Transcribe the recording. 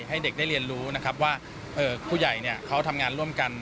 ให้เด็กได้เรียนรู้นะครับว่าผู้ใหญ่เขาทำงานร่วมกัน